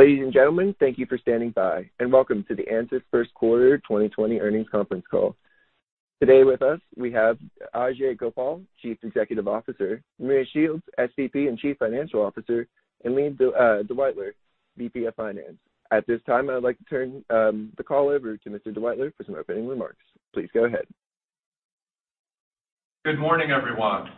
Ladies and gentlemen, thank you for standing by, and welcome to the Ansys first quarter 2020 earnings conference call. Today with us, we have Ajei Gopal, Chief Executive Officer; Maria Shields, SVP and Chief Financial Officer; and Lee Detwiler, VP of Finance. At this time, I would like to turn the call over to Mr. Detwiler for some opening remarks. Please go ahead. Good morning, everyone.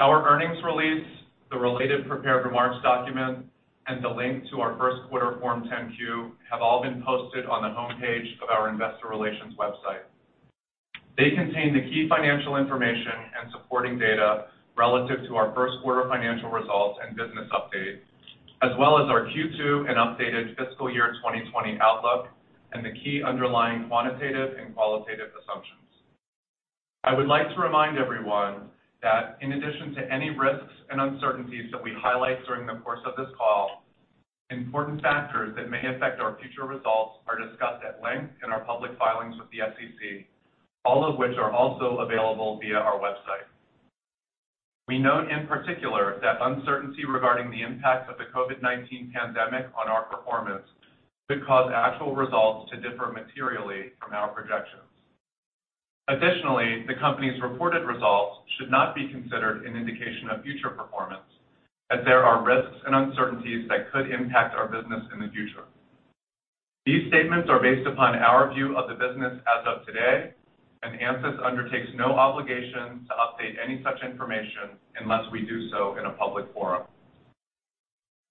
Our earnings release, the related prepared remarks document, and the link to our first quarter Form 10-Q have all been posted on the homepage of our investor relations website. They contain the key financial information and supporting data relative to our first quarter financial results and business update, as well as our Q2 and updated fiscal year 2020 outlook, and the key underlying quantitative and qualitative assumptions. I would like to remind everyone that in addition to any risks and uncertainties that we highlight during the course of this call, important factors that may affect our future results are discussed at length in our public filings with the SEC, all of which are also available via our website. We note in particular that uncertainty regarding the impact of the COVID-19 pandemic on our performance could cause actual results to differ materially from our projections. Additionally, the company's reported results should not be considered an indication of future performance, as there are risks and uncertainties that could impact our business in the future. These statements are based upon our view of the business as of today, and Ansys undertakes no obligation to update any such information unless we do so in a public forum.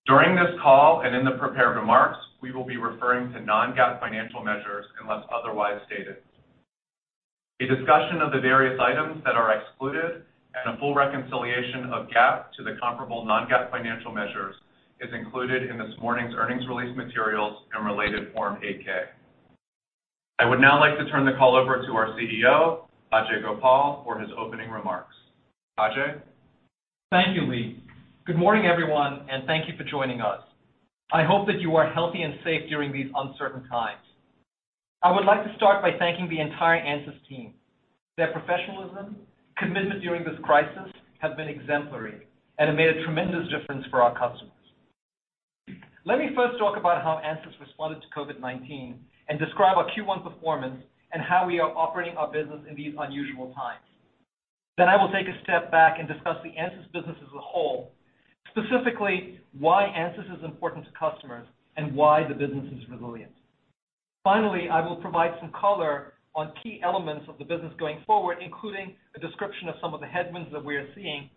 During this call and in the prepared remarks, we will be referring to non-GAAP financial measures, unless otherwise stated. A discussion of the various items that are excluded and a full reconciliation of GAAP to the comparable non-GAAP financial measures is included in this morning's earnings release materials and related Form 8-K. I would now like to turn the call over to our CEO, Ajei Gopal, for his opening remarks. Ajei? Thank you, Lee. Good morning, everyone, and thank you for joining us. I hope that you are healthy and safe during these uncertain times. I would like to start by thanking the entire Ansys team. Their professionalism, commitment during this crisis, has been exemplary and it made a tremendous difference for our customers. Let me first talk about how Ansys responded to COVID-19 and describe our Q1 performance and how we are operating our business in these unusual times. I will take a step back and discuss the Ansys business as a whole, specifically why Ansys is important to customers and why the business is resilient. I will provide some color on key elements of the business going forward, including a description of some of the headwinds that we are seeing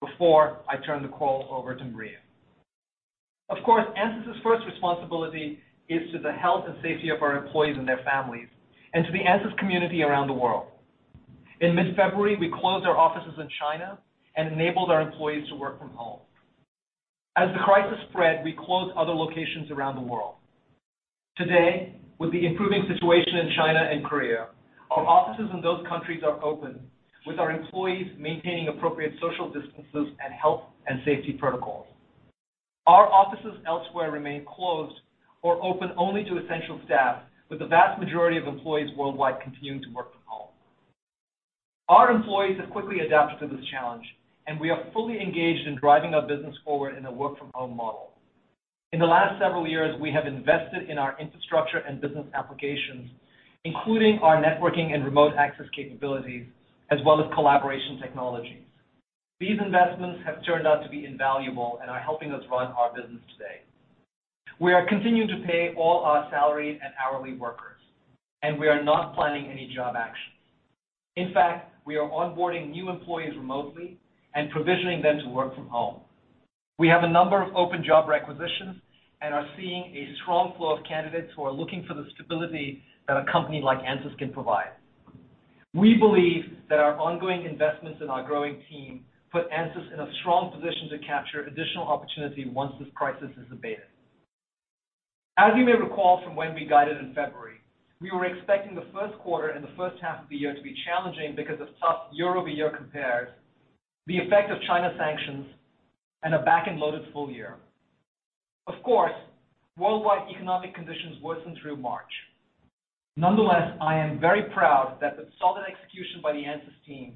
before I turn the call over to Maria. Of course, Ansys's first responsibility is to the health and safety of our employees and their families, and to the Ansys community around the world. In mid-February, we closed our offices in China and enabled our employees to work from home. As the crisis spread, we closed other locations around the world. Today, with the improving situation in China and Korea, our offices in those countries are open, with our employees maintaining appropriate social distances and health and safety protocols. Our offices elsewhere remain closed or open only to essential staff, with the vast majority of employees worldwide continuing to work from home. Our employees have quickly adapted to this challenge, and we are fully engaged in driving our business forward in a work-from-home model. In the last several years, we have invested in our infrastructure and business applications, including our networking and remote access capabilities, as well as collaboration technologies. These investments have turned out to be invaluable and are helping us run our business today. We are continuing to pay all our salaried and hourly workers, and we are not planning any job action. In fact, we are onboarding new employees remotely and provisioning them to work from home. We have a number of open job requisitions and are seeing a strong flow of candidates who are looking for the stability that a company like Ansys can provide. We believe that our ongoing investments in our growing team put Ansys in a strong position to capture additional opportunity once this crisis has abated. As you may recall from when we guided in February, we were expecting the first quarter and the first half of the year to be challenging because of tough year-over-year compares, the effect of China sanctions, and a back-end loaded full year. Of course, worldwide economic conditions worsened through March. Nonetheless, I am very proud that with solid execution by the Ansys team,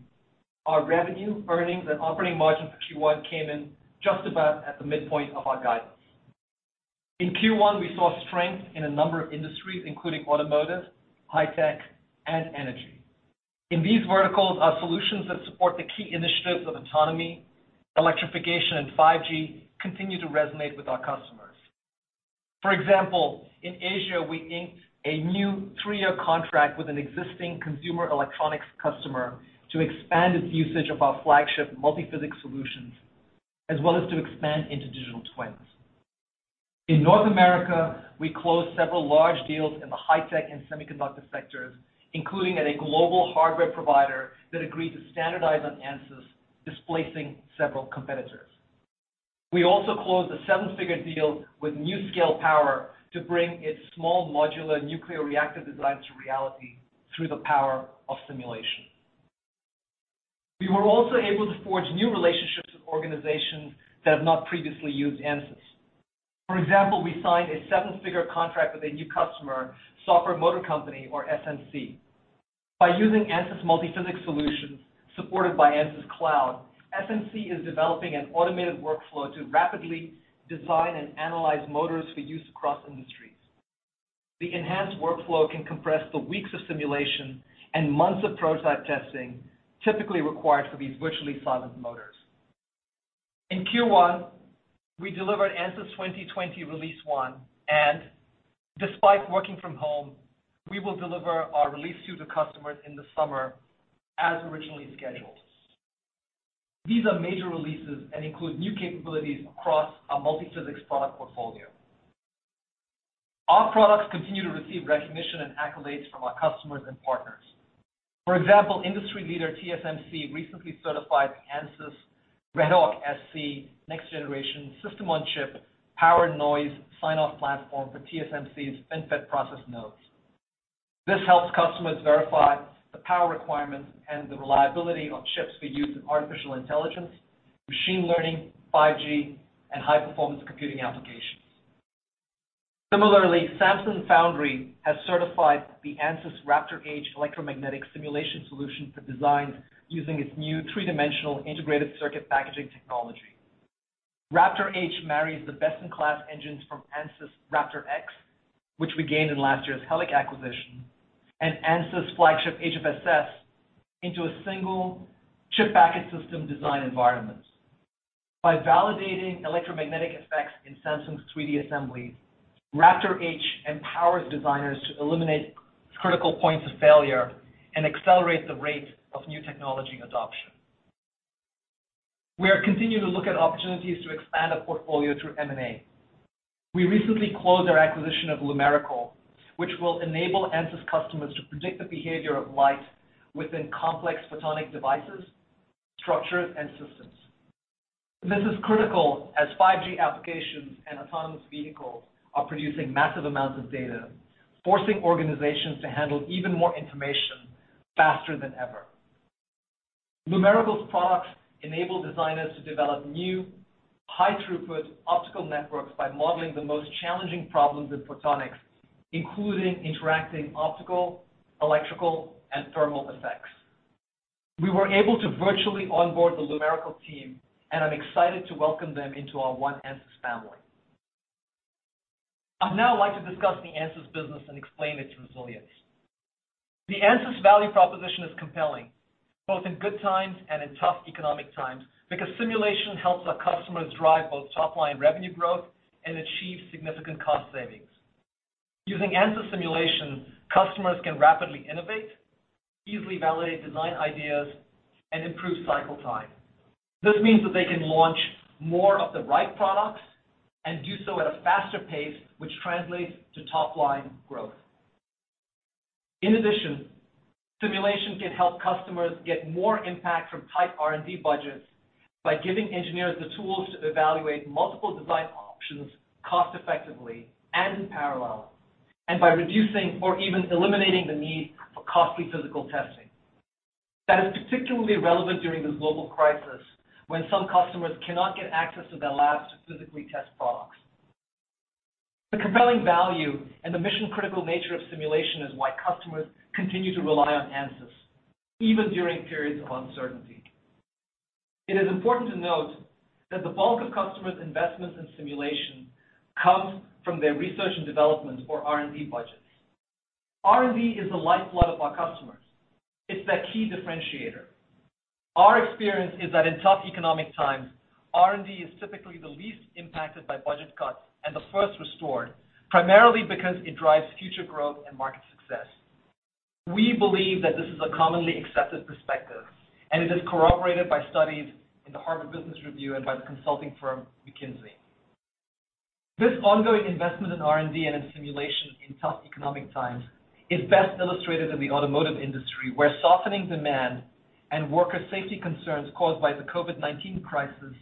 our revenue, earnings, and operating margin for Q1 came in just about at the midpoint of our guidance. In Q1, we saw strength in a number of industries, including automotive, high tech, and energy. In these verticals, our solutions that support the key initiatives of autonomy, electrification, and 5G continue to resonate with our customers. For example, in Asia, we inked a new three-year contract with an existing consumer electronics customer to expand its usage of our flagship Multiphysics solutions, as well as to expand into digital twins. In North America, we closed several large deals in the high-tech and semiconductor sectors, including at a global hardware provider that agreed to standardize on Ansys, displacing several competitors. We also closed a seven-figure deal with NuScale Power to bring its small modular nuclear reactor design to reality through the power of simulation. We were also able to forge new relationships with organizations that have not previously used Ansys. For example, we signed a seven-figure contract with a new customer, Software Motor Company, or SMC. By using Ansys Multiphysics solutions supported by Ansys Cloud, SMC is developing an automated workflow to rapidly design and analyze motors for use across industries. The enhanced workflow can compress the weeks of simulation and months of prototype testing typically required for these virtually silent motors. In Q1, we delivered Ansys 2020 Release 1, and despite working from home, we will deliver our Release 2 to customers in the summer as originally scheduled. These are major releases and include new capabilities across our Multiphysics product portfolio. Our products continue to receive recognition and accolades from our customers and partners. For example, industry leader TSMC recently certified Ansys RedHawk-SC next-generation system-on-chip power noise sign-off platform for TSMC's FinFET process nodes. This helps customers verify the power requirements and the reliability of chips for use in artificial intelligence, machine learning, 5G, and high-performance computing applications. Similarly, Samsung Foundry has certified the Ansys RaptorH electromagnetic simulation solution for designs using its new three-dimensional integrated circuit packaging technology. RaptorH marries the best-in-class engines from Ansys RaptorX, which we gained in last year's Helic acquisition, and Ansys flagship HFSS into a single chip package system design environment. By validating electromagnetic effects in Samsung's 3D assembly, RaptorH empowers designers to eliminate critical points of failure and accelerate the rate of new technology adoption. We are continuing to look at opportunities to expand our portfolio through M&A. We recently closed our acquisition of Lumerical, which will enable Ansys customers to predict the behavior of light within complex photonic devices, structures, and systems. This is critical as 5G applications and autonomous vehicles are producing massive amounts of data, forcing organizations to handle even more information faster than ever. Lumerical's products enable designers to develop new high-throughput optical networks by modeling the most challenging problems in photonics, including interacting optical, electrical, and thermal effects. We were able to virtually onboard the Lumerical team, and I'm excited to welcome them into our ONE Ansys family. I'd now like to discuss the Ansys business and explain its resilience. The Ansys value proposition is compelling, both in good times and in tough economic times, because simulation helps our customers drive both top-line revenue growth and achieve significant cost savings. Using Ansys simulation, customers can rapidly innovate, easily validate design ideas, and improve cycle time. This means that they can launch more of the right products and do so at a faster pace, which translates to top-line growth. In addition, simulation can help customers get more impact from tight R&D budgets by giving engineers the tools to evaluate multiple design options cost-effectively and in parallel, and by reducing or even eliminating the need for costly physical testing. That is particularly relevant during this global crisis, when some customers cannot get access to their labs to physically test products. The compelling value and the mission-critical nature of simulation is why customers continue to rely on Ansys, even during periods of uncertainty. It is important to note that the bulk of customers' investments in simulation comes from their research and development or R&D budgets. R&D is the lifeblood of our customers. It's their key differentiator. Our experience is that in tough economic times, R&D is typically the least impacted by budget cuts and the first restored, primarily because it drives future growth and market success. We believe that this is a commonly accepted perspective, and it is corroborated by studies in the Harvard Business Review and by the consulting firm McKinsey. This ongoing investment in R&D and in simulation in tough economic times is best illustrated in the automotive industry, where softening demand and worker safety concerns caused by the COVID-19 crisis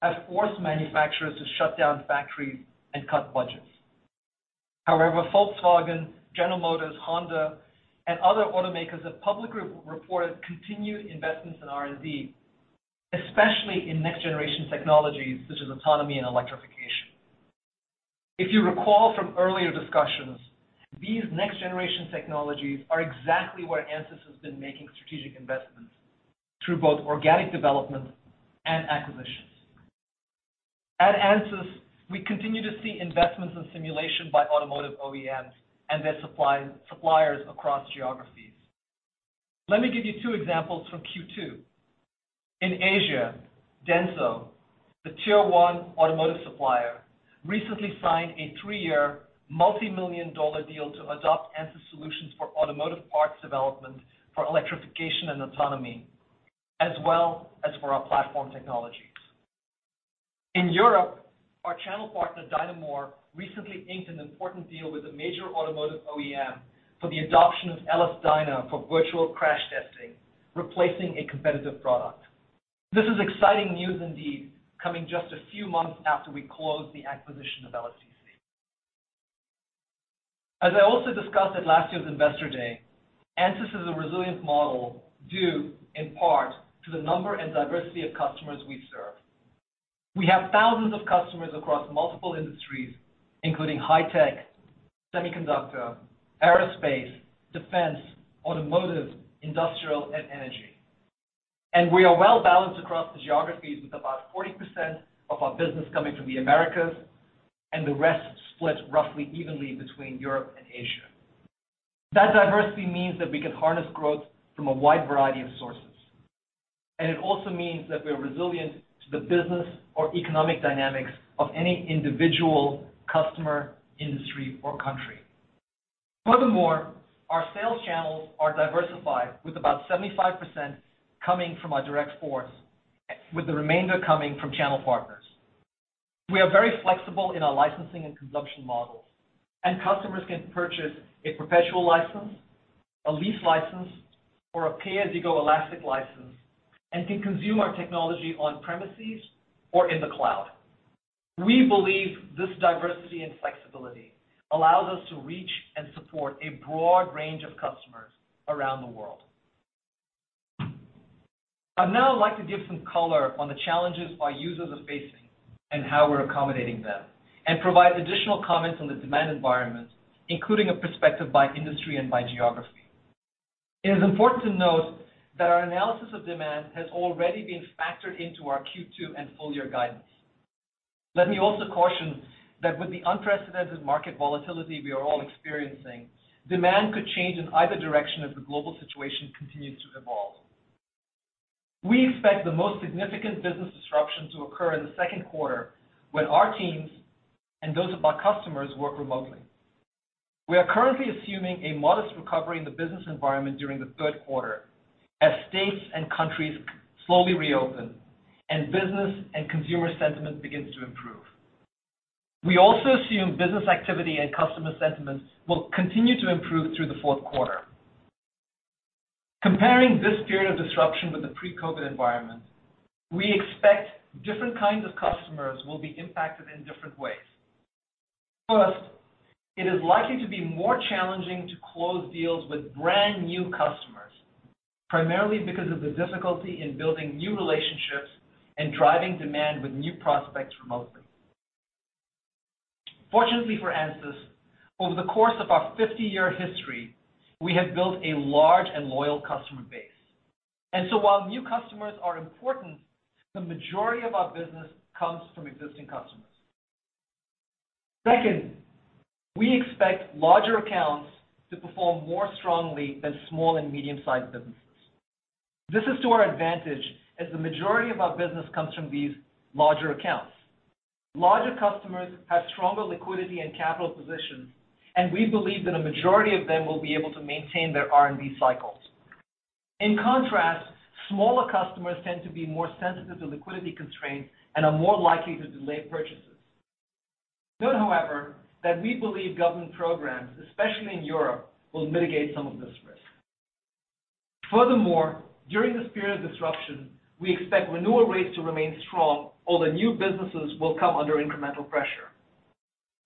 have forced manufacturers to shut down factories and cut budgets. However, Volkswagen, General Motors, Honda, and other automakers have publicly reported continued investments in R&D, especially in next-generation technologies such as autonomy and electrification. If you recall from earlier discussions, these next-generation technologies are exactly where Ansys has been making strategic investments through both organic development and acquisitions. At Ansys, we continue to see investments in simulation by automotive OEMs and their suppliers across geographies. Let me give you two examples from Q2. In Asia, DENSO, the Tier 1 automotive supplier, recently signed a three-year, multimillion-dollar deal to adopt Ansys solutions for automotive parts development for electrification and autonomy, as well as for our platform technology. In Europe, our channel partner, DYNAmore, recently inked an important deal with a major automotive OEM for the adoption of LS-DYNA for virtual crash testing, replacing a competitive product. This is exciting news indeed, coming just a few months after we closed the acquisition of LSTC. As I also discussed at last year's Investor Day, Ansys is a resilient model, due in part to the number and diversity of customers we serve. We have thousands of customers across multiple industries, including high tech, semiconductor, aerospace, defense, automotive, industrial, and energy. We are well-balanced across the geographies, with about 40% of our business coming from the Americas, and the rest split roughly evenly between Europe and Asia. That diversity means that we can harness growth from a wide variety of sources. It also means that we are resilient to the business or economic dynamics of any individual customer, industry, or country. Furthermore, our sales channels are diversified, with about 75% coming from our direct force, with the remainder coming from channel partners. We are very flexible in our licensing and consumption models, and customers can purchase a perpetual license, a lease license, or a pay-as-you-go elastic license, and can consume our technology on premises or in the cloud. We believe this diversity and flexibility allows us to reach and support a broad range of customers around the world. I'd now like to give some color on the challenges our users are facing and how we're accommodating them and provide additional comments on the demand environment, including a perspective by industry and by geography. It is important to note that our analysis of demand has already been factored into our Q2 and full-year guidance. Let me also caution that with the unprecedented market volatility we are all experiencing, demand could change in either direction as the global situation continues to evolve. We expect the most significant business disruption to occur in the second quarter when our teams and those of our customers work remotely. We are currently assuming a modest recovery in the business environment during the third quarter as states and countries slowly reopen and business and consumer sentiment begins to improve. We also assume business activity and customer sentiments will continue to improve through the fourth quarter. Comparing this period of disruption with the pre-COVID environment, we expect different kinds of customers will be impacted in different ways. First, it is likely to be more challenging to close deals with brand-new customers, primarily because of the difficulty in building new relationships and driving demand with new prospects remotely. Fortunately for Ansys, over the course of our 50-year history, we have built a large and loyal customer base. While new customers are important, the majority of our business comes from existing customers. Second, we expect larger accounts to perform more strongly than small and medium-sized businesses. This is to our advantage, as the majority of our business comes from these larger accounts. Larger customers have stronger liquidity and capital positions, and we believe that a majority of them will be able to maintain their R&D cycles. In contrast, smaller customers tend to be more sensitive to liquidity constraints and are more likely to delay purchases. Note, however, that we believe government programs, especially in Europe, will mitigate some of this risk. Furthermore, during this period of disruption, we expect renewal rates to remain strong, although new businesses will come under incremental pressure.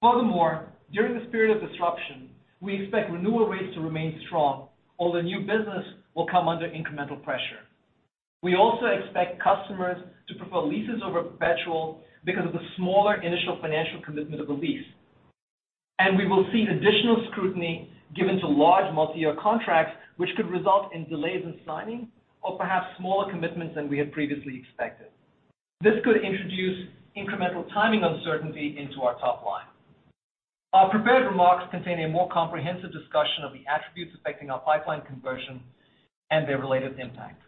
Furthermore, during this period of disruption, we expect renewal rates to remain strong, although new business will come under incremental pressure. We also expect customers to prefer leases over perpetual because of the smaller initial financial commitment of a lease. We will see additional scrutiny given to large multi-year contracts, which could result in delays in signing or perhaps smaller commitments than we had previously expected. This could introduce incremental timing uncertainty into our top line. Our prepared remarks contain a more comprehensive discussion of the attributes affecting our pipeline conversion and their related impact.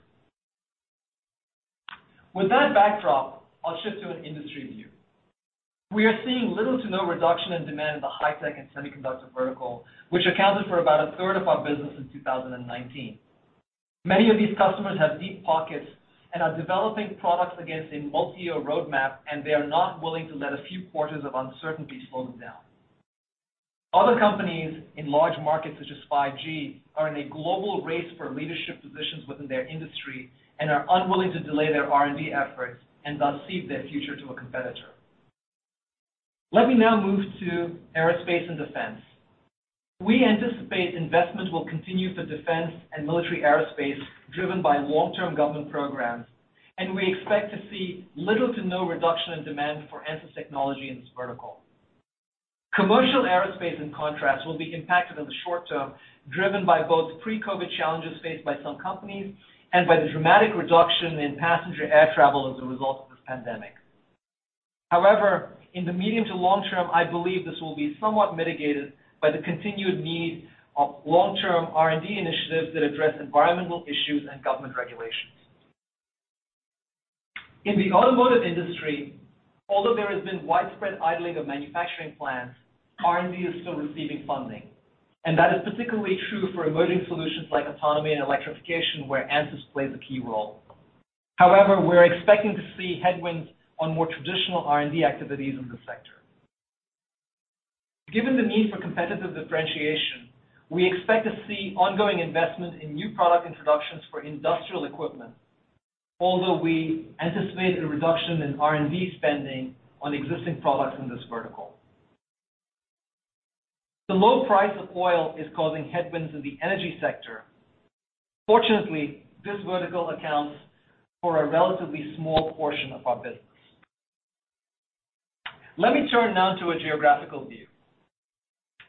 With that backdrop, I'll shift to an industry view. We are seeing little to no reduction in demand in the high-tech and semiconductor vertical, which accounted for about a third of our business in 2019. Many of these customers have deep pockets and are developing products against a multi-year roadmap. They are not willing to let a few quarters of uncertainty slow them down. Other companies in large markets, such as 5G, are in a global race for leadership positions within their industry and are unwilling to delay their R&D efforts and thus cede their future to a competitor. Let me now move to aerospace and defense. We anticipate investment will continue for defense and military aerospace driven by long-term government programs. We expect to see little to no reduction in demand for Ansys technology in this vertical. Commercial aerospace, in contrast, will be impacted in the short term, driven by both pre-COVID challenges faced by some companies and by the dramatic reduction in passenger air travel as a result of this pandemic. However, in the medium to long term, I believe this will be somewhat mitigated by the continued need of long-term R&D initiatives that address environmental issues and government regulations. In the automotive industry, although there has been widespread idling of manufacturing plants, R&D is still receiving funding. That is particularly true for emerging solutions like autonomy and electrification, where Ansys plays a key role. However, we're expecting to see headwinds on more traditional R&D activities in this sector. Given the need for competitive differentiation, we expect to see ongoing investment in new product introductions for industrial equipment. Although we anticipate a reduction in R&D spending on existing products in this vertical. The low price of oil is causing headwinds in the energy sector. Fortunately, this vertical accounts for a relatively small portion of our business. Let me turn now to a geographical view.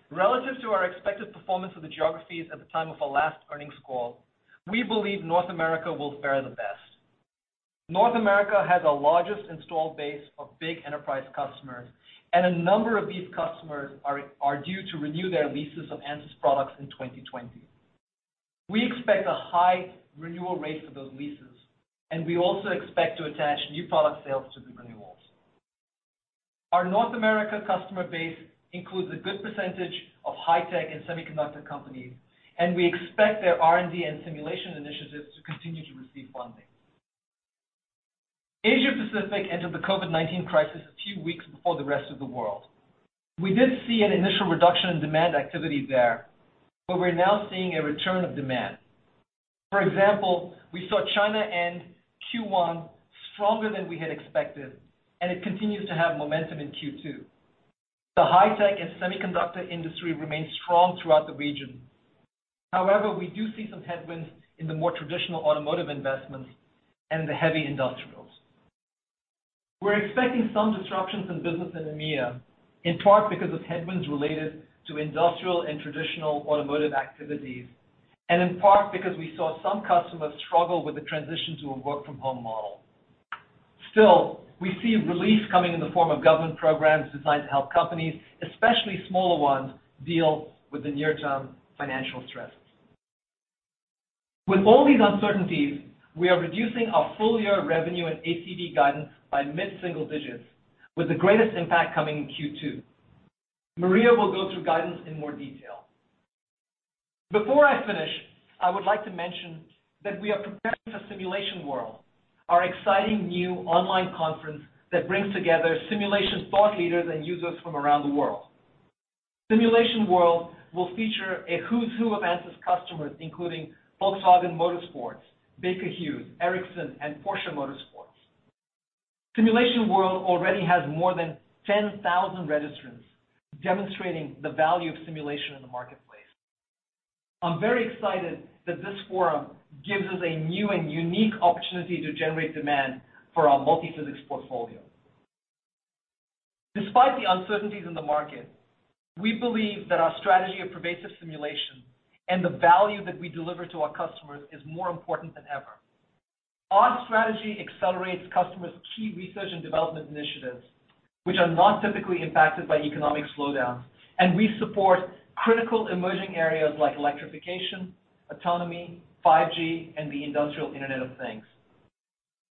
Relative to our expected performance of the geographies at the time of our last earnings call, we believe North America will fare the best. North America has the largest installed base of big enterprise customers, and a number of these customers are due to renew their leases of Ansys products in 2020. We expect a high renewal rate for those leases, and we also expect to attach new product sales to the renewals. Our North America customer base includes a good percentage of high-tech and semiconductor companies, and we expect their R&D and simulation initiatives to continue to receive funding. Asia Pacific entered the COVID-19 crisis a few weeks before the rest of the world. We did see an initial reduction in demand activity there, but we're now seeing a return of demand. For example, we saw China end Q1 stronger than we had expected, and it continues to have momentum in Q2. The high-tech and semiconductor industry remains strong throughout the region. However, we do see some headwinds in the more traditional automotive investments and the heavy industrials. We're expecting some disruptions in business in EMEA, in part because of headwinds related to industrial and traditional automotive activities, and in part because we saw some customers struggle with the transition to a work-from-home model. Still, we see relief coming in the form of government programs designed to help companies, especially smaller ones, deal with the near-term financial stresses. With all these uncertainties, we are reducing our full-year revenue and ACV guidance by mid-single digits, with the greatest impact coming in Q2. Maria will go through guidance in more detail. Before I finish, I would like to mention that we are preparing for Simulation World, our exciting new online conference that brings together simulation thought leaders and users from around the world. Simulation World will feature a who's who of Ansys customers, including Volkswagen Motorsport, Baker Hughes, Ericsson, and Porsche Motorsport. Simulation World already has more than 10,000 registrants, demonstrating the value of simulation in the marketplace. I'm very excited that this forum gives us a new and unique opportunity to generate demand for our Multiphysics portfolio. Despite the uncertainties in the market, we believe that our strategy of pervasive simulation and the value that we deliver to our customers is more important than ever. Our strategy accelerates customers' key research and development initiatives, which are not typically impacted by economic slowdowns, and we support critical emerging areas like electrification, autonomy, 5G, and the industrial Internet of Things.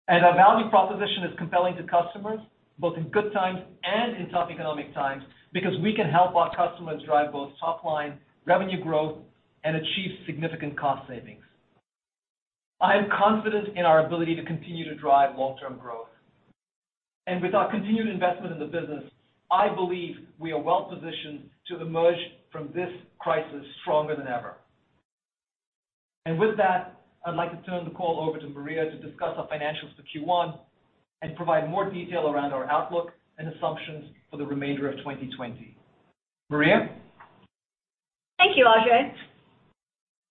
Our value proposition is compelling to customers both in good times and in tough economic times, because we can help our customers drive both top-line revenue growth and achieve significant cost savings. I am confident in our ability to continue to drive long-term growth. With our continued investment in the business, I believe we are well-positioned to emerge from this crisis stronger than ever. With that, I'd like to turn the call over to Maria to discuss our financials for Q1 and provide more detail around our outlook and assumptions for the remainder of 2020. Maria? Thank you, Ajei.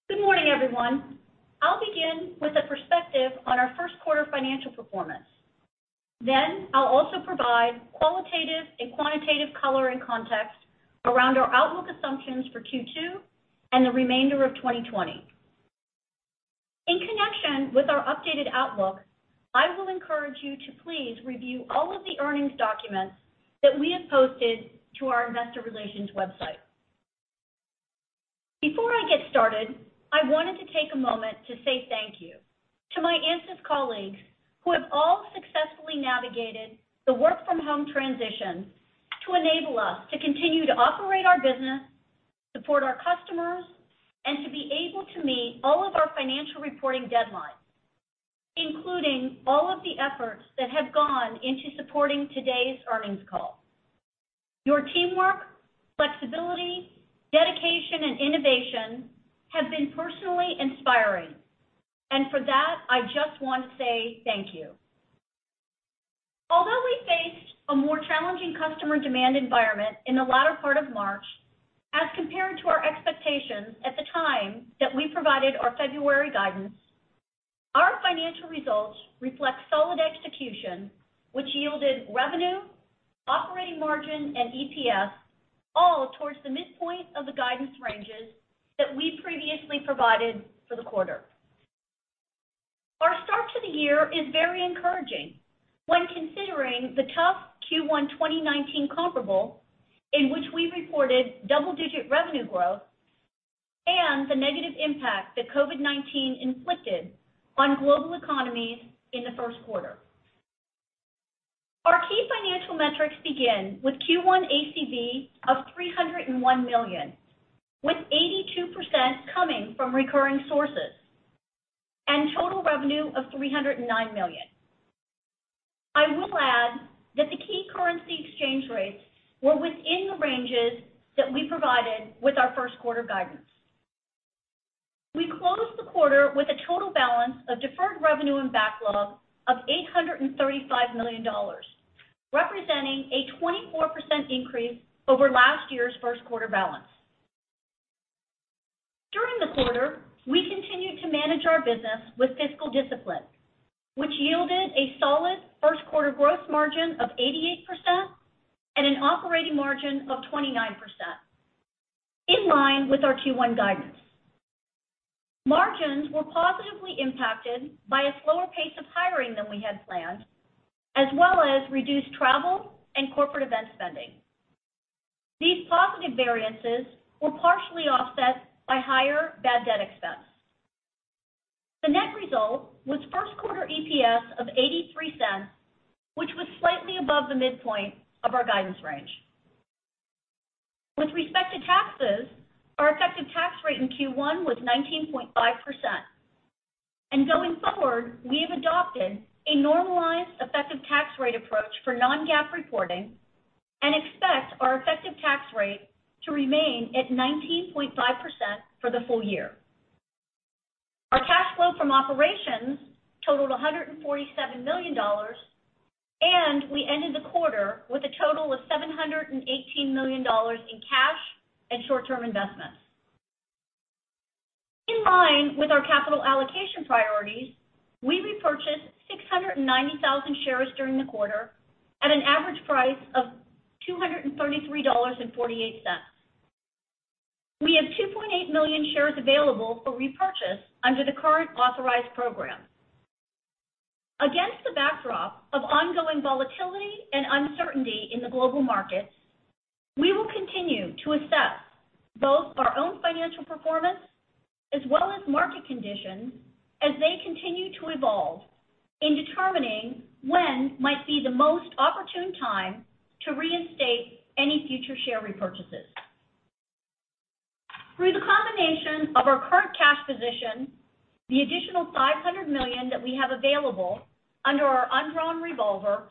Good morning, everyone. I'll begin with a perspective on our first quarter financial performance. I'll also provide qualitative and quantitative color and context around our outlook assumptions for Q2 and the remainder of 2020. In connection with our updated outlook, I will encourage you to please review all of the earnings documents that we have posted to our investor relations website. Before I get started, I wanted to take a moment to say thank you to my Ansys colleagues, who have all successfully navigated the work-from-home transition to enable us to continue to operate our business, support our customers, and to be able to meet all of our financial reporting deadlines, including all of the efforts that have gone into supporting today's earnings call. Your teamwork, flexibility, dedication, and innovation have been personally inspiring. For that, I just want to say thank you. Although we faced a more challenging customer demand environment in the latter part of March as compared to our expectations at the time that we provided our February guidance, our financial results reflect solid execution, which yielded revenue, operating margin, and EPS all towards the midpoint of the guidance ranges that we previously provided for the quarter. Our start to the year is very encouraging when considering the tough Q1 2019 comparable, in which we reported double-digit revenue growth and the negative impact that COVID-19 inflicted on global economies in the first quarter. Our key financial metrics begin with Q1 ACV of $301 million, with 82% coming from recurring sources, and total revenue of $309 million. I will add that the key currency exchange rates were within the ranges that we provided with our first quarter guidance. We closed the quarter with a total balance of deferred revenue and backlog of $835 million, representing a 24% increase over last year's first quarter balance. During the quarter, we continued to manage our business with fiscal discipline, which yielded a solid first quarter growth margin of 88% and an operating margin of 29%, in line with our Q1 guidance. Margins were positively impacted by a slower pace of hiring than we had planned, as well as reduced travel and corporate event spending. These positive variances were partially offset by higher bad debt expense. The net result was first quarter EPS of $0.83, which was slightly above the midpoint of our guidance range. With respect to taxes, our effective tax rate in Q1 was 19.5%. Going forward, we have adopted a normalized effective tax rate approach for non-GAAP reporting and expect our effective tax rate to remain at 19.5% for the full year. Our cash flow from operations totaled $147 million, and we ended the quarter with a total of $718 million in cash and short-term investments. In line with our capital allocation priorities, we repurchased 690,000 shares during the quarter at an average price of $233.48. We have 2.8 million shares available for repurchase under the current authorized program. Against the backdrop of ongoing volatility and uncertainty in the global markets, we will continue to assess both our own financial performance as well as market conditions as they continue to evolve in determining when might be the most opportune time to reinstate any future share repurchases. Through the combination of our current cash position, the additional $500 million that we have available under our undrawn revolver,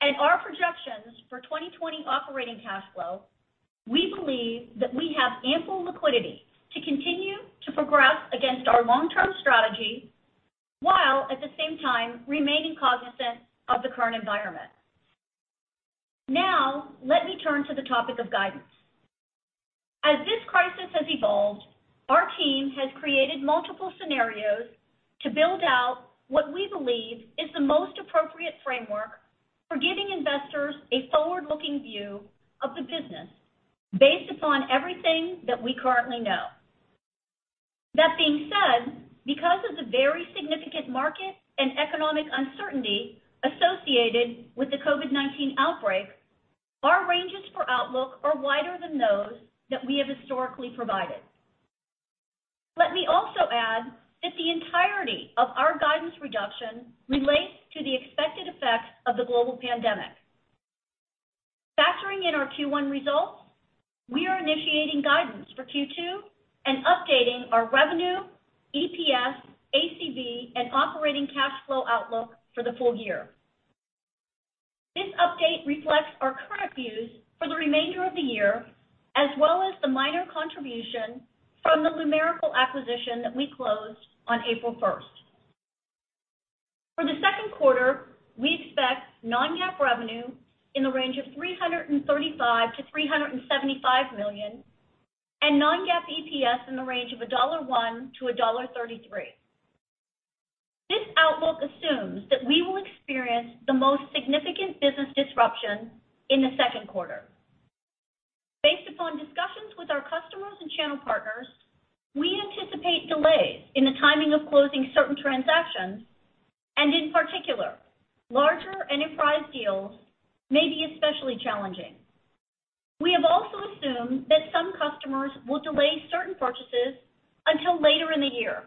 and our projections for 2020 operating cash flow, we believe that we have ample liquidity to continue to progress against our long-term strategy, while at the same time remaining cognizant of the current environment. Now, let me turn to the topic of guidance. As this crisis has evolved, our team has created multiple scenarios to build out what we believe is the most appropriate framework for giving investors a forward-looking view of the business based upon everything that we currently know. That being said, because of the very significant market and economic uncertainty associated with the COVID-19 outbreak, our ranges for outlook are wider than those that we have historically provided. Let me also add that the entirety of our guidance reduction relates to the expected effect of the global pandemic. Factoring in our Q1 results, we are initiating guidance for Q2 and updating our revenue, EPS, ACV, and operating cash flow outlook for the full year. This update reflects our current views for the remainder of the year, as well as the minor contribution from the Lumerical acquisition that we closed on April 1st. For the second quarter, we expect non-GAAP revenue in the range of $335 million-$375 million and non-GAAP EPS in the range of $1.01-$1.33. This outlook assumes that we will experience the most significant business disruption in the second quarter. Based upon discussions with our customers and channel partners, we anticipate delays in the timing of closing certain transactions, and in particular, larger enterprise deals may be especially challenging. We have also assumed that some customers will delay certain purchases until later in the year.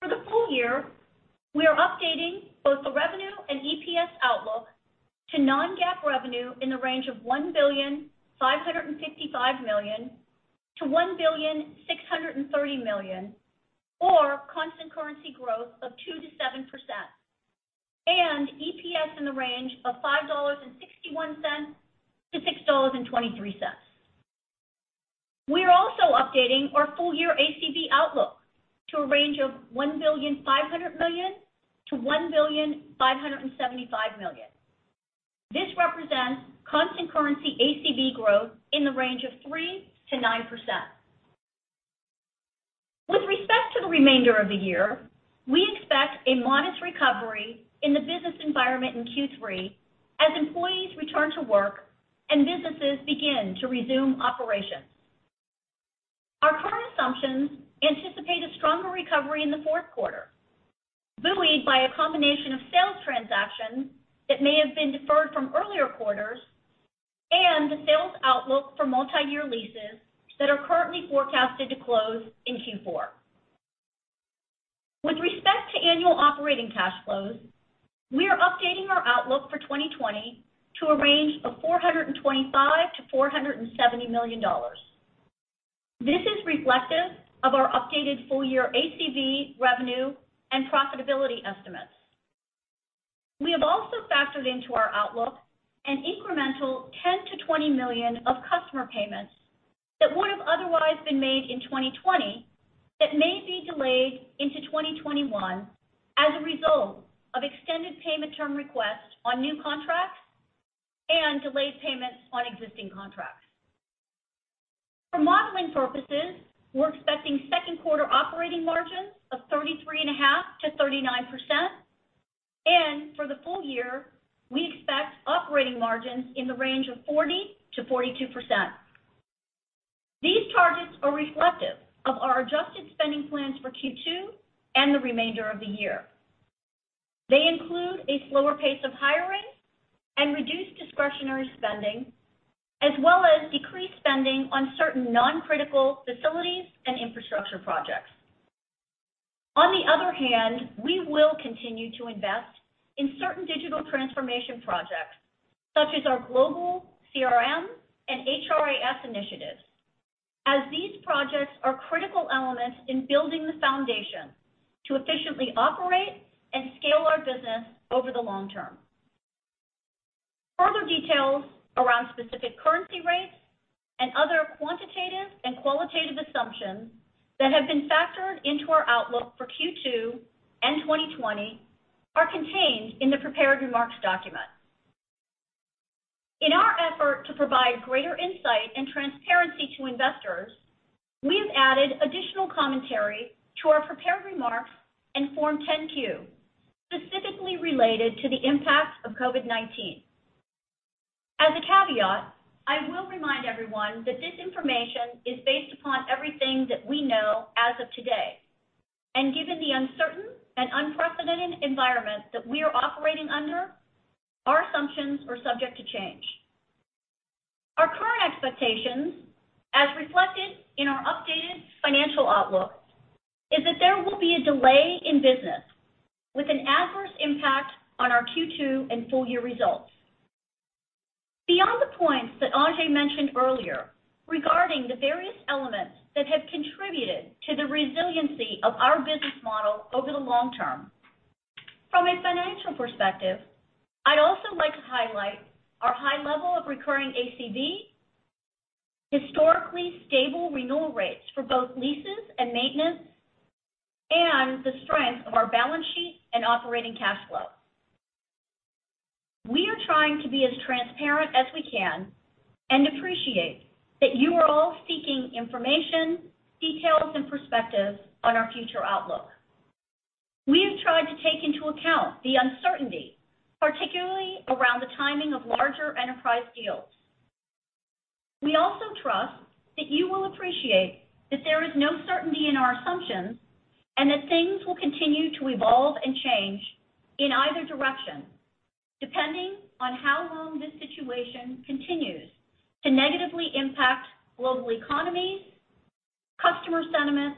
For the full year, we are updating both the revenue and EPS outlook to non-GAAP revenue in the range of $1.555 billion-$1.630 billion, or constant currency growth of 2%-7%, and EPS in the range of $5.61-$6.23. We are also updating our full-year ACV outlook to a range of $1.500 billion-$1.575 billion. This represents constant currency ACV growth in the range of 3%-9%. With respect to the remainder of the year, we expect a modest recovery in the business environment in Q3 as employees return to work and businesses begin to resume operations. Our current assumptions anticipate a stronger recovery in the fourth quarter, buoyed by a combination of sales transactions that may have been deferred from earlier quarters and the sales outlook for multiyear leases that are currently forecasted to close in Q4. With respect to annual operating cash flows, we are updating our outlook for 2020 to a range of $425 million-$470 million. This is reflective of our updated full-year ACV revenue and profitability estimates. We have also factored into our outlook an incremental $10 million-$20 million of customer payments that would've otherwise been made in 2020 that may be delayed into 2021 as a result of extended payment term requests on new contracts and delayed payments on existing contracts. For modeling purposes, we're expecting second quarter operating margins of 33.5%-39%, and for the full year, we expect operating margins in the range of 40%-42%. These targets are reflective of our adjusted spending plans for Q2 and the remainder of the year. They include a slower pace of hiring and reduced discretionary spending, as well as decreased spending on certain non-critical facilities and infrastructure projects. On the other hand, we will continue to invest in certain digital transformation projects such as our global CRM and HRIS initiatives, as these projects are critical elements in building the foundation to efficiently operate and scale our business over the long term. Further details around specific currency rates and other quantitative and qualitative assumptions that have been factored into our outlook for Q2 and 2020 are contained in the prepared remarks document. In our effort to provide greater insight and transparency to investors, we have added additional commentary to our prepared remarks in Form 10-Q, specifically related to the impact of COVID-19. As a caveat, I will remind everyone that this information is based upon everything that we know as of today, and given the uncertain and unprecedented environment that we are operating under, our assumptions are subject to change. Our current expectations, as reflected in our updated financial outlook, is that there will be a delay in business with an adverse impact on our Q2 and full-year results. Beyond the points that Ajei mentioned earlier regarding the various elements that have contributed to the resiliency of our business model over the long term, from a financial perspective, I'd also like to highlight our high level of recurring ACV, historically stable renewal rates for both leases and maintenance, and the strength of our balance sheet and operating cash flow. We are trying to be as transparent as we can and appreciate that you are all seeking information, details, and perspective on our future outlook. We have tried to take into account the uncertainty, particularly around the timing of larger enterprise deals. We also trust that you will appreciate that there is no certainty in our assumptions, and that things will continue to evolve and change in either direction, depending on how long this situation continues to negatively impact global economies, customer sentiment,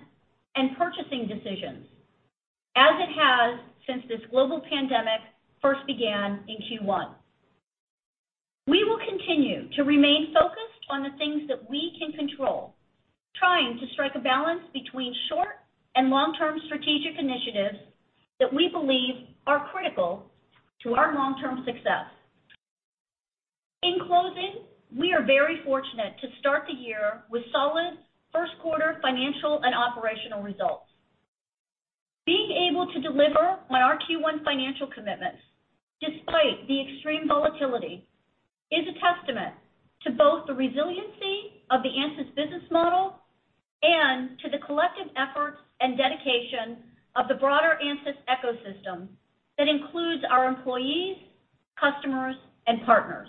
and purchasing decisions, as it has since this global pandemic first began in Q1. We will continue to remain focused on the things that we can control, trying to strike a balance between short and long-term strategic initiatives that we believe are critical to our long-term success. In closing, we are very fortunate to start the year with solid first quarter financial and operational results. Being able to deliver on our Q1 financial commitments despite the extreme volatility is a testament to both the resiliency of the Ansys business model and to the collective efforts and dedication of the broader Ansys ecosystem that includes our employees, customers, and partners.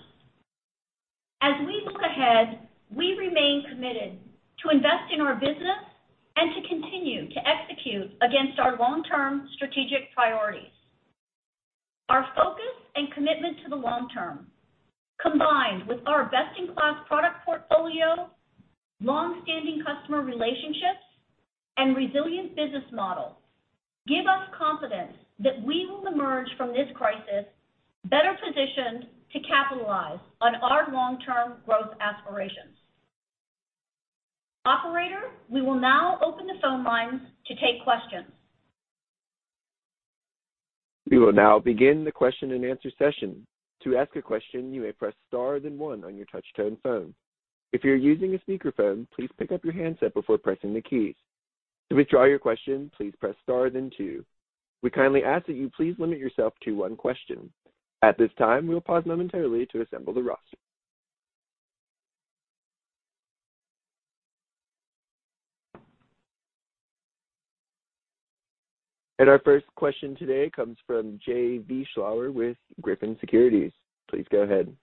As we look ahead, we remain committed to invest in our business and to continue to execute against our long-term strategic priorities. Our focus and commitment to the long term, combined with our best-in-class product portfolio, long-standing customer relationships, and resilient business model, give us confidence that we will emerge from this crisis better positioned to capitalize on our long-term growth aspirations. Operator, we will now open the phone lines to take questions. We will now begin the question and answer session. To ask a question, you may press star then one on your touch-tone phone. If you're using a speakerphone, please pick up your handset before pressing the keys. To withdraw your question, please press star then two. We kindly ask that you please limit yourself to one question. At this time, we'll pause momentarily to assemble the roster. Our first question today comes from Jay Vleeschhouwer with Griffin Securities. Please go ahead.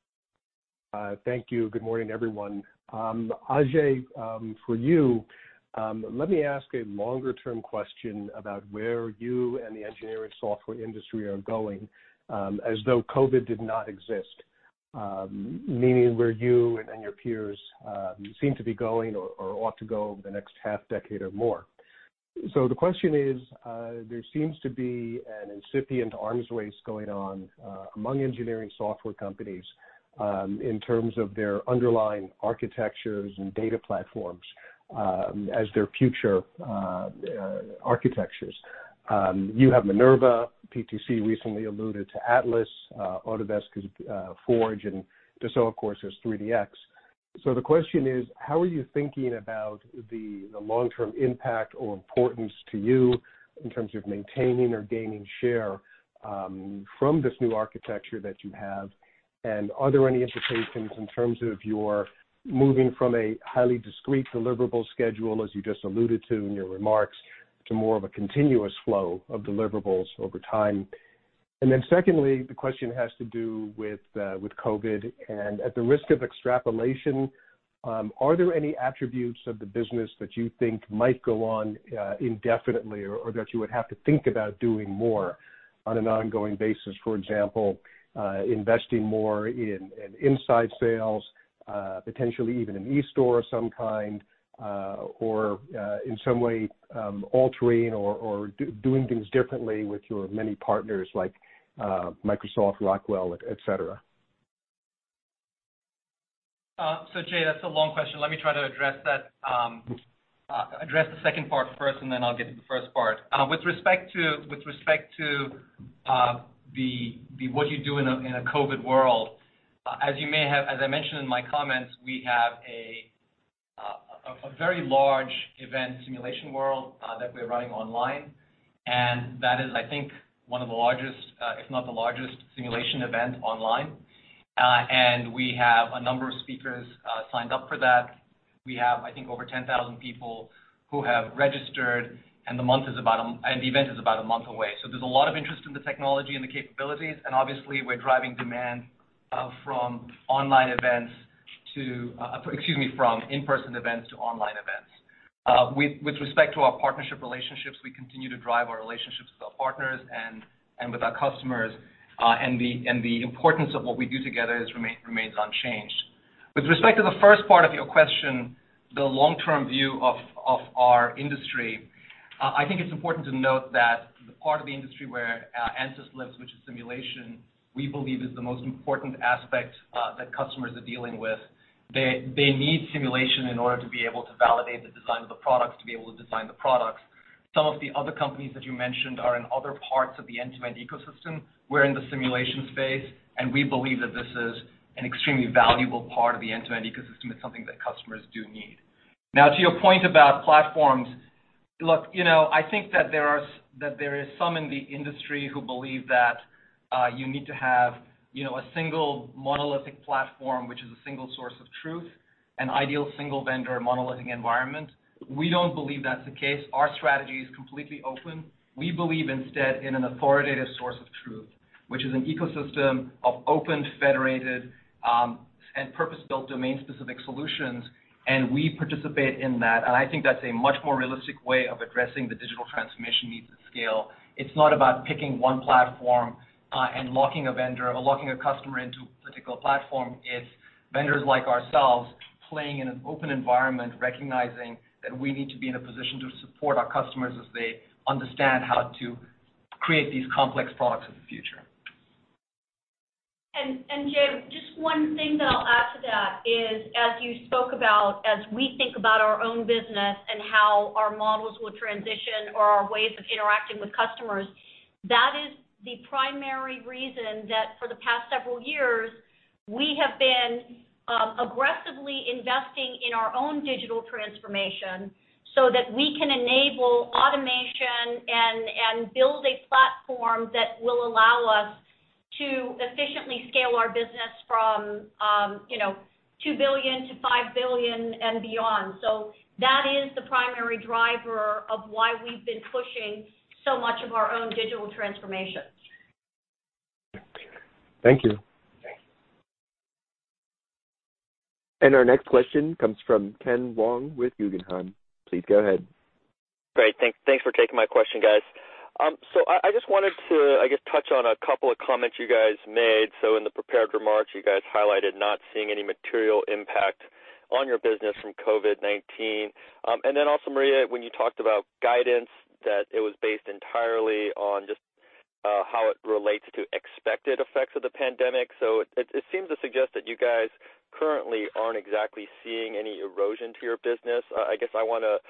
Thank you. Good morning, everyone. Ajei, for you, let me ask a longer-term question about where you and the engineering software industry are going, as though COVID did not exist. Meaning where you and your peers seem to be going or ought to go over the next half-decade or more. The question is, there seems to be an incipient arms race going on among engineering software companies in terms of their underlying architectures and data platforms as their future architectures. You have Minerva, PTC recently alluded to Atlas, Autodesk has Forge, and Dassault, of course, has 3DX. The question is, how are you thinking about the long-term impact or importance to you in terms of maintaining or gaining share from this new architecture that you have? Are there any implications in terms of your moving from a highly discrete deliverable schedule, as you just alluded to in your remarks, to more of a continuous flow of deliverables over time? Secondly, the question has to do with COVID and at the risk of extrapolation, are there any attributes of the business that you think might go on indefinitely or that you would have to think about doing more on an ongoing basis? For example, investing more in inside sales, potentially even an e-store of some kind, or in some way altering or doing things differently with your many partners like Microsoft, Rockwell, et cetera. Jay, that's a long question. Let me try to address the second part first and then I'll get to the first part. With respect to what you do in a COVID-19 world, as I mentioned in my comments, we have a very large event Simulation World that we're running online, that is, I think, one of the largest, if not the largest, simulation event online. We have a number of speakers signed up for that. We have, I think, over 10,000 people who have registered, the event is about a month away. There's a lot of interest in the technology and the capabilities, obviously, we're driving demand from in-person events to online events. With respect to our partnership relationships, we continue to drive our relationships with our partners and with our customers. The importance of what we do together remains unchanged. With respect to the first part of your question, the long-term view of our industry, I think it's important to note that the part of the industry where Ansys lives, which is simulation, we believe is the most important aspect that customers are dealing with. They need simulation in order to be able to validate the design of the products, to be able to design the products. Some of the other companies that you mentioned are in other parts of the end-to-end ecosystem. We're in the simulation space, and we believe that this is an extremely valuable part of the end-to-end ecosystem. It's something that customers do need. Now, to your point about platforms. Look, I think that there is some in the industry who believe that you need to have a single monolithic platform, which is a single source of truth, an ideal single vendor monolithic environment. We don't believe that's the case. Our strategy is completely open. We believe, instead, in an authoritative source of truth, which is an ecosystem of open, federated, and purpose-built domain-specific solutions, and we participate in that. I think that's a much more realistic way of addressing the digital transformation needs at scale. It's not about picking one platform and locking a vendor or locking a customer into a particular platform. It's vendors like ourselves playing in an open environment, recognizing that we need to be in a position to support our customers as they understand how to create these complex products of the future. Jay, just one thing that I'll add to that is, as you spoke about, as we think about our own business and how our models will transition or our ways of interacting with customers, that is the primary reason that for the past several years, we have been aggressively investing in our own digital transformation so that we can enable automation and build a platform that will allow us to efficiently scale our business from $2 billion to $5 billion and beyond. That is the primary driver of why we've been pushing so much of our own digital transformation. Thank you. Thanks. Our next question comes from Ken Wong with Guggenheim. Please go ahead. Great. Thanks for taking my question, guys. I just wanted to, I guess, touch on a couple of comments you guys made. In the prepared remarks, you guys highlighted not seeing any material impact on your business from COVID-19. Maria, when you talked about guidance, that it was based entirely on just how it relates to expected effects of the pandemic. It seems to suggest that you guys currently aren't exactly seeing any erosion to your business. I guess I want to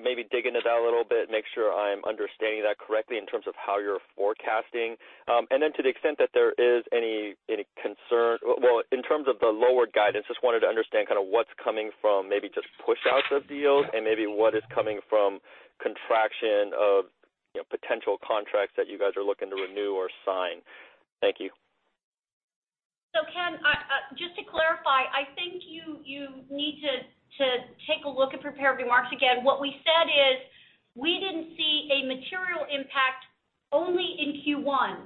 maybe dig into that a little bit, make sure I'm understanding that correctly in terms of how you're forecasting. To the extent that there is any concern, well, in terms of the lower guidance, just wanted to understand kind of what's coming from maybe just push outs of deals and maybe what is coming from contraction of potential contracts that you guys are looking to renew or sign. Thank you. Ken, just to clarify, I think you need to take a look at prepared remarks again. What we said is we didn't see a material impact only in Q1.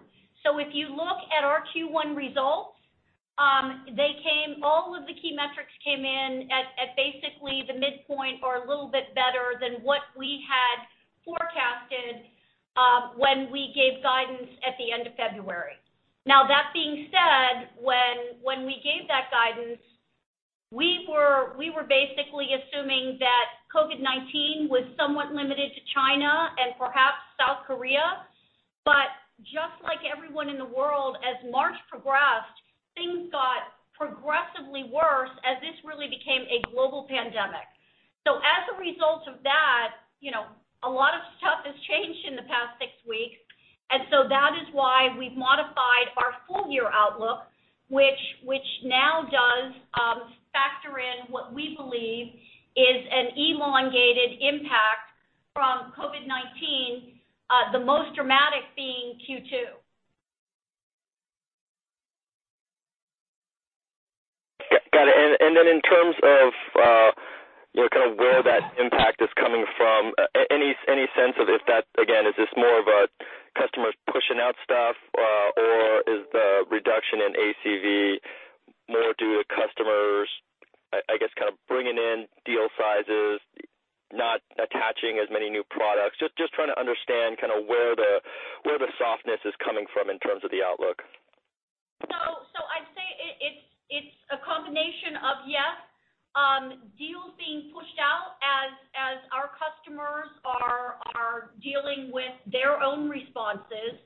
If you look at our Q1 results, all of the key metrics came in at basically the midpoint or a little bit better than what we had forecasted when we gave guidance at the end of February. That being said, when we gave that guidance, we were basically assuming that COVID-19 was somewhat limited to China and perhaps South Korea. Just like everyone in the world, as March progressed, things got progressively worse as this really became a global pandemic. As a result of that, a lot of stuff has changed in the past six weeks, and so that is why we've modified our full-year outlook, which now does factor in what we believe is an elongated impact from COVID-19, the most dramatic being Q2. Got it. Then in terms of where that impact is coming from, any sense of if that, again, is this more of a customers pushing out stuff or is the reduction in ACV more due to customers, I guess bringing in deal sizes, not attaching as many new products? Just trying to understand where the softness is coming from in terms of the outlook. I'd say it's a combination of, yes, deals being pushed out as our customers are dealing with their own responses.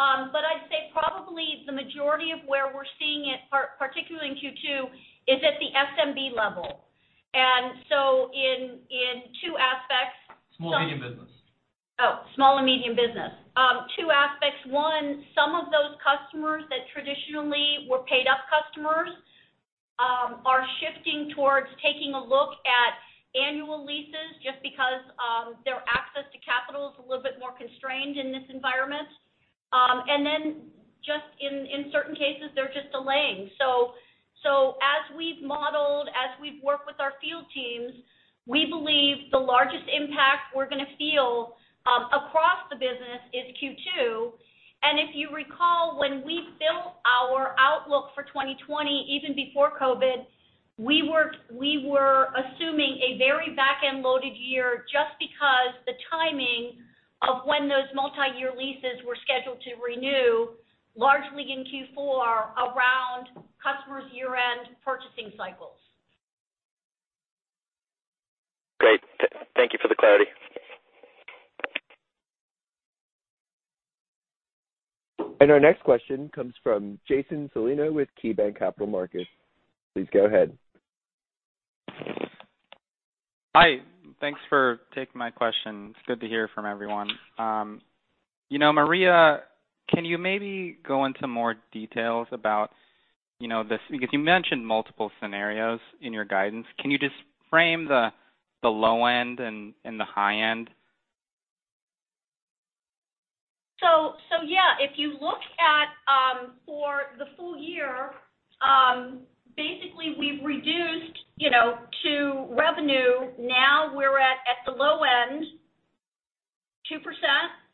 I'd say probably the majority of where we're seeing it, particularly in Q2, is at the SMB level. In two aspects. Small and medium business. Small and medium business. Two aspects. One, some of those customers that traditionally were paid-up customers, are shifting towards taking a look at annual leases just because, their access to capital is a little bit more constrained in this environment. Then just in certain cases, they're just delaying. As we've modeled, as we've worked with our field teams, we believe the largest impact we're going to feel, across the business is Q2. If you recall, when we built our outlook for 2020, even before COVID-19, we were assuming a very back-end loaded year just because the timing of when those multi-year leases were scheduled to renew, largely in Q4 around customers' year-end purchasing cycles. Great. Thank you for the clarity. Our next question comes from Jason Celino with KeyBanc Capital Markets. Please go ahead. Hi. Thanks for taking my question. It's good to hear from everyone. Maria, can you maybe go into more details about this, because you mentioned multiple scenarios in your guidance. Can you just frame the low end and the high end? Yeah, if you look at for the full year, basically we've reduced to revenue. Now we're at the low end 2%,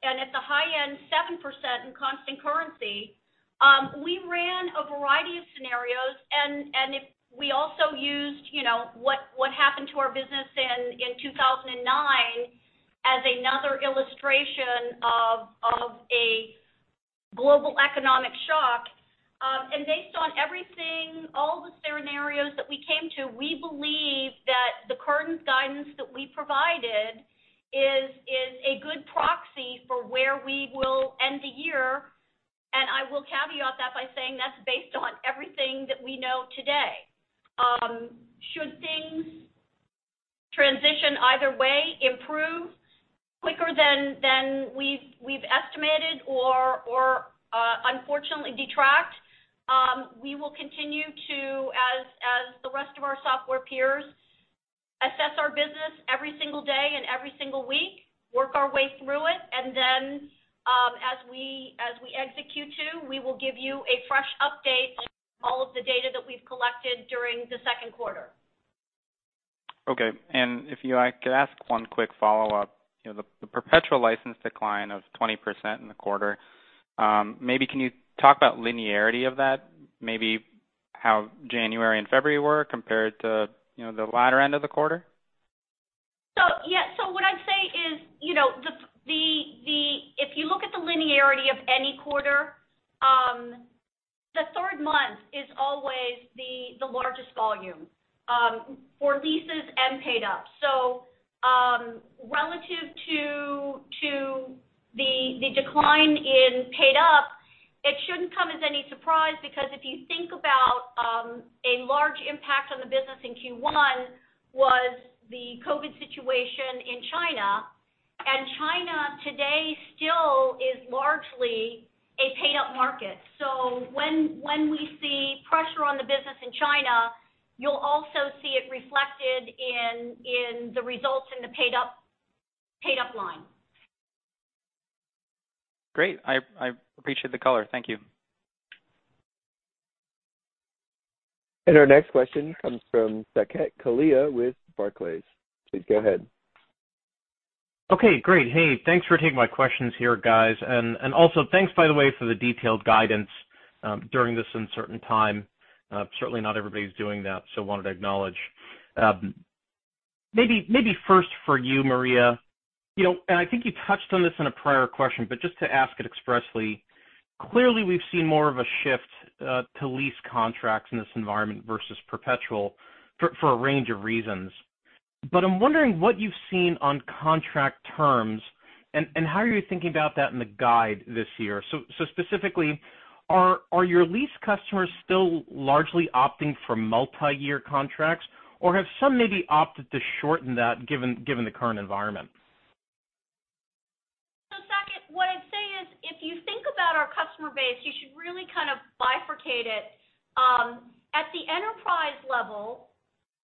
and at the high end 7% in constant currency. We ran a variety of scenarios and we also used what happened to our business in 2009 as another illustration of a global economic shock. Based on everything, all the scenarios that we came to, we believe that the current guidance that we provided is a good proxy for where we will end the year. I will caveat that by saying that's based on everything that we know today. Should things transition either way, improve quicker than we've estimated or unfortunately detract, we will continue to, as the rest of our software peers, assess our business every single day and every single week, work our way through it, and then, as we exit Q2, we will give you a fresh update on all of the data that we've collected during the second quarter. Okay. If I could ask one quick follow-up. The perpetual license decline of 20% in the quarter, maybe can you talk about linearity of that? Maybe how January and February were compared to the latter end of the quarter? Yeah. What I'd say is, if you look at the linearity of any quarter, the third month is always the largest volume, for leases and paid-up. Relative to the decline in paid-up, it shouldn't come as any surprise because if you think about, a large impact on the business in Q1 was the COVID situation in China, and China today still is largely a paid-up market. When we see pressure on the business in China, you'll also see it reflected in the results in the paid-up line. Great. I appreciate the color. Thank you. Our next question comes from Saket Kalia with Barclays. Please go ahead. Okay, great. Hey, thanks for taking my questions here, guys. Thanks, by the way, for the detailed guidance during this uncertain time. Certainly not everybody's doing that, so wanted to acknowledge. Maybe first for you, Maria. I think you touched on this in a prior question, just to ask it expressly, clearly we've seen more of a shift to lease contracts in this environment versus perpetual for a range of reasons. I'm wondering what you've seen on contract terms and how are you thinking about that in the guide this year? Specifically, are your lease customers still largely opting for multi-year contracts, or have some maybe opted to shorten that given the current environment? Saket, what I'd say is, if you think about our customer base, you should really kind of bifurcate it. At the enterprise level,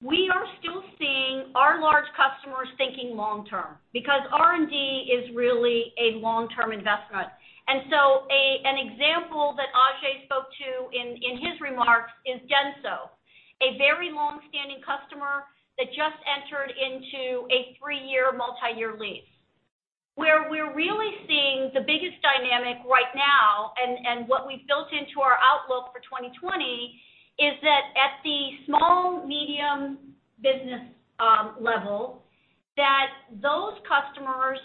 we are still seeing our large customers thinking long-term because R&D is really a long-term investment. An example that Ajei spoke to in his remarks is DENSO, a very long-standing customer that just entered into a three-year multi-year lease. Where we're really seeing the biggest dynamic right now and what we've built into our outlook for 2020 is that at the small medium business level, that those customers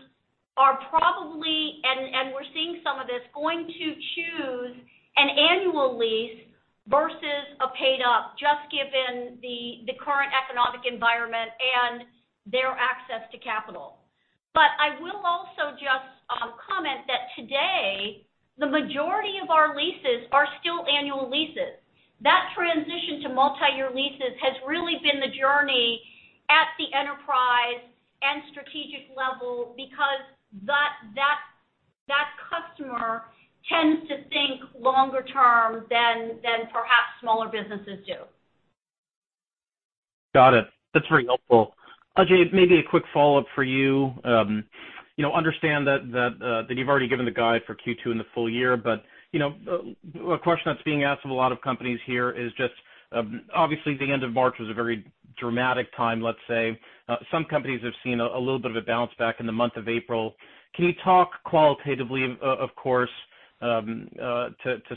are probably, and we're seeing some of this, going to choose an annual lease versus a paid-up just given the current economic environment and their access to capital. I will also just comment that today the majority of our leases are still annual leases. That transition to multi-year leases has really been the journey at the enterprise and strategic level because that customer tends to think longer term than perhaps smaller businesses do. Got it. That's very helpful. Ajei, maybe a quick follow-up for you. Understand that you've already given the guide for Q2 and the full year. A question that's being asked of a lot of companies here is just, obviously the end of March was a very dramatic time, let's say. Some companies have seen a little bit of a bounce back in the month of April. Can you talk qualitatively, of course, to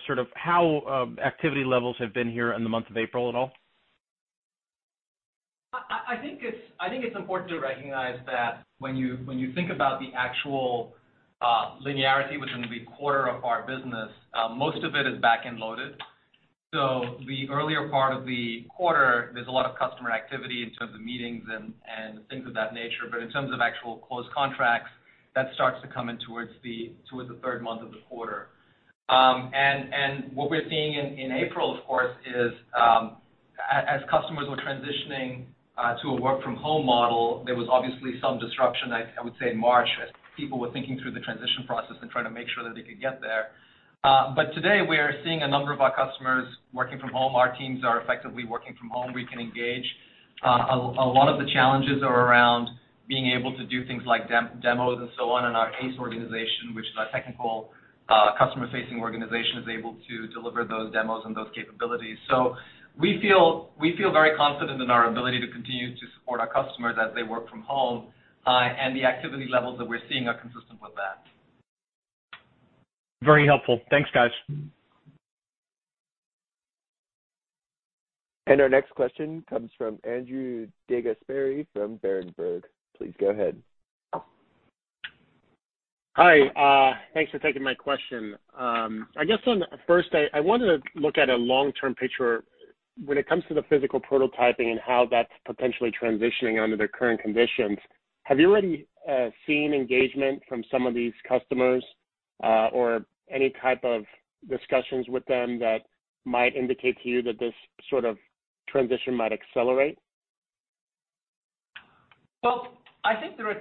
sort of how activity levels have been here in the month of April at all? I think it's important to recognize that when you think about the actual linearity within the quarter of our business, most of it is back-end loaded. The earlier part of the quarter, there's a lot of customer activity in terms of meetings and things of that nature. In terms of actual closed contracts, that starts to come in towards the third month of the quarter. What we're seeing in April, of course, is as customers were transitioning to a work from home model, there was obviously some disruption, I would say in March, as people were thinking through the transition process and trying to make sure that they could get there. Today we are seeing a number of our customers working from home. Our teams are effectively working from home. We can engage. A lot of the challenges are around being able to do things like demos and so on in our ACE organization, which is our technical customer-facing organization, is able to deliver those demos and those capabilities. We feel very confident in our ability to continue to support our customers as they work from home, and the activity levels that we're seeing are consistent with that. Very helpful. Thanks, guys. Our next question comes from Andrew DeGasperi from Berenberg. Please go ahead. Hi, thanks for taking my question. I guess first I wanted to look at a long-term picture when it comes to the physical prototyping and how that's potentially transitioning under the current conditions. Have you already seen engagement from some of these customers, or any type of discussions with them that might indicate to you that this sort of transition might accelerate? Well, I think there are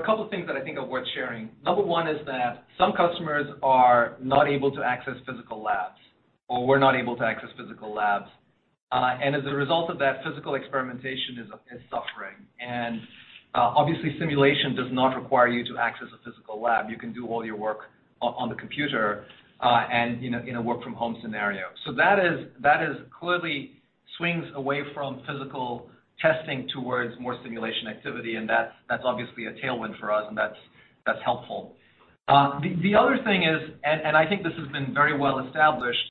a couple things that I think are worth sharing. Number one is that some customers are not able to access physical labs or were not able to access physical labs. As a result of that, physical experimentation is suffering. Obviously simulation does not require you to access a physical lab. You can do all your work on the computer and in a work from home scenario. That clearly swings away from physical testing towards more simulation activity and that's obviously a tailwind for us and that's helpful. The other thing is, and I think this has been very well established,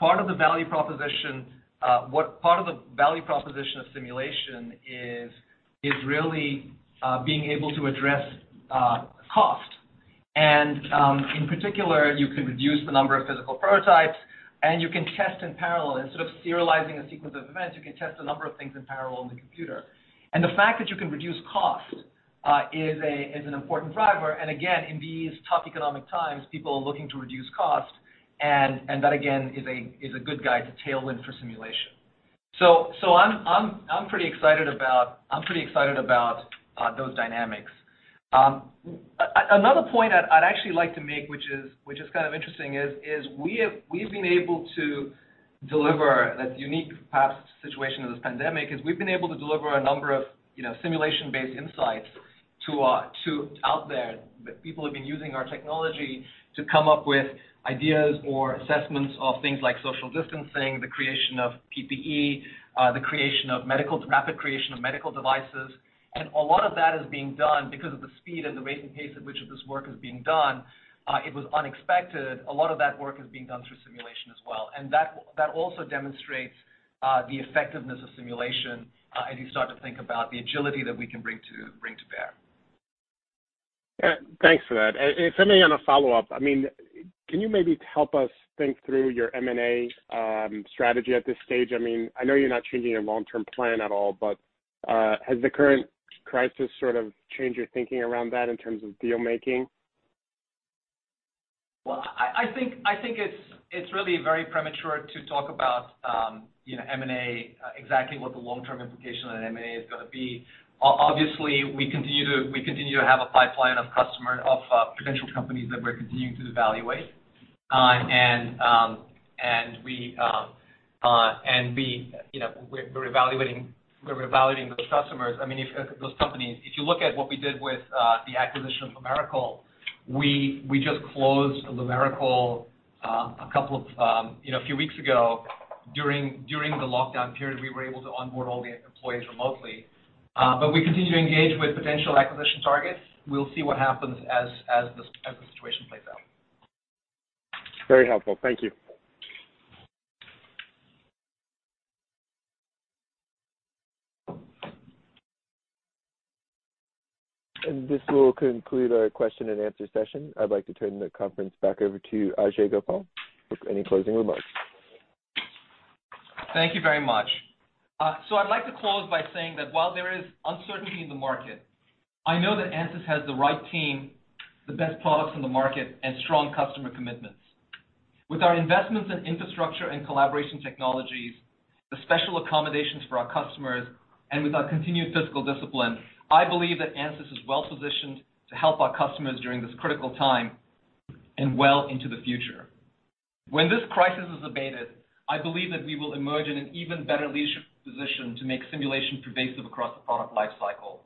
part of the value proposition of simulation is really being able to address cost. In particular, you can reduce the number of physical prototypes and you can test in parallel. Instead of serializing a sequence of events, you can test a number of things in parallel on the computer. The fact that you can reduce cost is an important driver. Again, in these tough economic times, people are looking to reduce cost, and that again is a good guide to tailwind for simulation. I'm pretty excited about those dynamics. Another point I'd actually like to make, which is kind of interesting, is we've been able to deliver this unique, perhaps, situation of this pandemic, a number of simulation-based insights out there. People have been using our technology to come up with ideas or assessments of things like social distancing, the creation of PPE, the rapid creation of medical devices. A lot of that is being done because of the speed and the rate and pace at which this work is being done. It was unexpected. A lot of that work is being done through simulation as well. That also demonstrates the effectiveness of simulation as you start to think about the agility that we can bring to bear. Yeah. Thanks for that. If I may on a follow-up, can you maybe help us think through your M&A strategy at this stage? I know you're not changing your long-term plan at all, but has the current crisis sort of changed your thinking around that in terms of deal-making? Well, I think it's really very premature to talk about M&A, exactly what the long-term implication on M&A is going to be. Obviously, we continue to have a pipeline of potential companies that we're continuing to evaluate. We're evaluating those companies. If you look at what we did with the acquisition of Lumerical, we just closed Lumerical a few weeks ago. During the lockdown period, we were able to onboard all the employees remotely. We continue to engage with potential acquisition targets. We'll see what happens as the situation plays out. Very helpful. Thank you. This will conclude our question and answer session. I'd like to turn the conference back over to Ajei Gopal for any closing remarks. Thank you very much. I'd like to close by saying that while there is uncertainty in the market, I know that Ansys has the right team, the best products in the market, and strong customer commitments. With our investments in infrastructure and collaboration technologies, the special accommodations for our customers, and with our continued fiscal discipline, I believe that Ansys is well-positioned to help our customers during this critical time and well into the future. When this crisis has abated, I believe that we will emerge in an even better leadership position to make simulation pervasive across the product life cycle.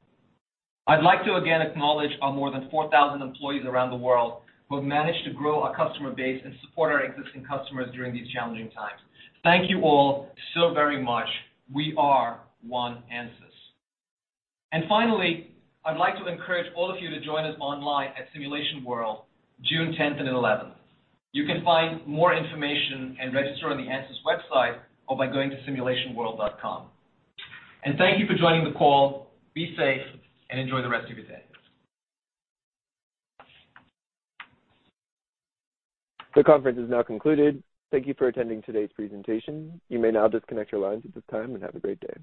I'd like to again acknowledge our more than 4,000 employees around the world who have managed to grow our customer base and support our existing customers during these challenging times. Thank you all so very much. We are ONE Ansys. Finally, I'd like to encourage all of you to join us online at Simulation World, June 10th and 11th. You can find more information and register on the Ansys website, or by going to simulationworld.com. Thank you for joining the call. Be safe, and enjoy the rest of your day. The conference is now concluded. Thank you for attending today's presentation. You may now disconnect your lines at this time, and have a great day.